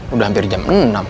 udah hampir jam enam